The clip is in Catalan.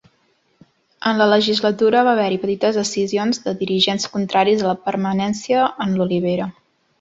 En la legislatura va haver-hi petites escissions de dirigents contraris a la permanència en l'Olivera.